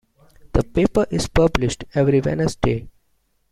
The paper is published every Wednesday.